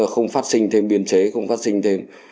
không phát sinh thêm biên chế